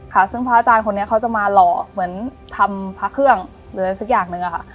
ค่ะซึ่งพระอาจารย์คนนี้เขาจะมาหล่อเหมือนทำพระเครื่องหรืออะไรสักอย่างหนึ่งอะค่ะ